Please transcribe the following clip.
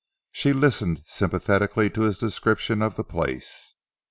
She listened sympathetically to his description of the place.